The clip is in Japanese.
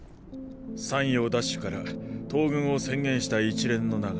山陽奪取から東郡を宣言した一連の流れ